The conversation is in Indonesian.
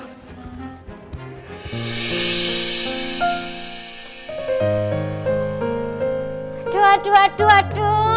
aduh aduh aduh aduh